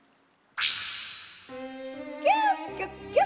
「キュキュッキュ！